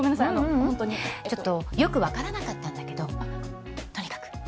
あのホントにううんちょっとよく分からなかったんだけどとにかく